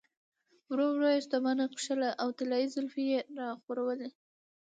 ورو ورو يې ستوماني کښله او طلايې زلفې يې راخورولې.